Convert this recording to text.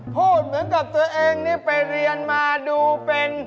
พูดเหมือนกับตัวเองนี่ไปเรียนมาดูเป็น